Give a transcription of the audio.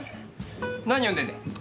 何読んでんだ？